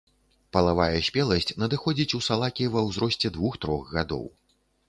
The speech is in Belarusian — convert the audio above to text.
Палавая спеласць надыходзіць у салакі ва ўзросце двух-трох гадоў.